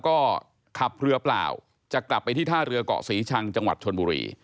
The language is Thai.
ก็ขับเรือเปล่าจะกลับไปที่ท่าเรือเกาะศรีชังจังหวัดชนบุรี